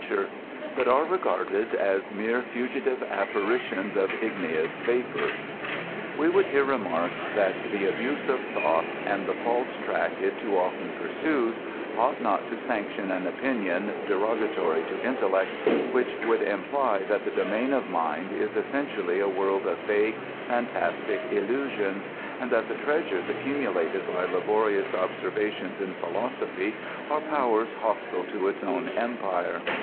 ture, but are regarded as mere fugitive apparitions of igiico</» vapor." We would here remark that the abuse of thought, and the false track it too often pursues, ought not to sanction an opinion derogatory to intellect, which would imply that the domain of mind is essentially a world of vague fantastic illusions, and that the treasures accumulated by laborious ob servations in philosophy are powers hostile to its own empire.